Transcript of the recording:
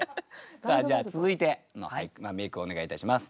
さあじゃあ続いての俳句名句をお願いいたします。